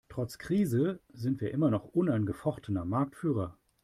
Trotz Krise sind wir immer noch unangefochtener Marktführer.